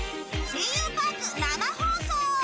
「声優パーク」生放送！